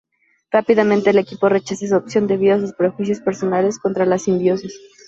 Rápidamente el equipo rechaza esa opción, debido a sus prejuicios personales contra la simbiosis.